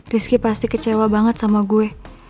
rizky pasti kecewa banget sama gue